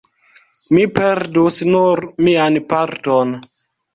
mi perdus nur mian parton.